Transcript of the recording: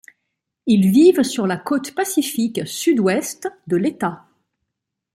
Ils vivent sur la côte pacifique sud-ouest de l'état.